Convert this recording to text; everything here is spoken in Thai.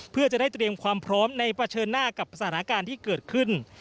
เพื่อจะได้เตรียมความพร้อมในเผชิญหน้ากับสถานการณ์ที่เกิดขึ้น